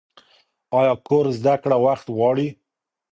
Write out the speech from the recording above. ایا کور زده کړه وخت غواړي؟